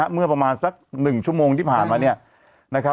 เมื่อประมาณสัก๑ชั่วโมงที่ผ่านมา